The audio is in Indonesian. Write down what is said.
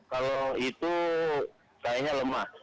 kalau itu kayaknya lemah